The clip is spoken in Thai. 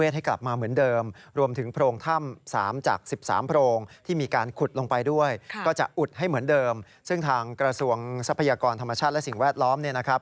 ที่มีการขุดลงไปด้วยก็จะอุดให้เหมือนเดิมซึ่งทางกระทรวงทรัพยากรธรรมชาติและสิ่งแวดล้อมเนี่ยนะครับ